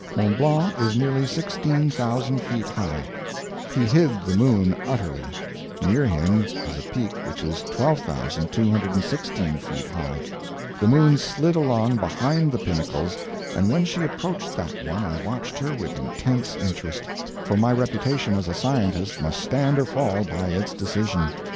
Mont Blanc is nearly sixteen thousand feet high; he hid the moon utterly; near him is a peak which is 12,216 feet high; the moon slid along behind the pinnacles, and when she approached that one I watched her with intense interest, for my reputation as a scientist must stand or fall by its decision.